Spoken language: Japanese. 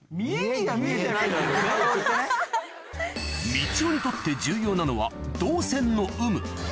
みちおにとって重要なのは動線の有無